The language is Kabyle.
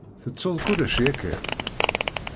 Tettuḍ kullec yakan?